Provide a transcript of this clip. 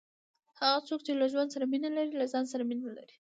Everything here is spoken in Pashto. هغه څوک، چي له ژوند سره مینه لري، له ځان سره مینه لري.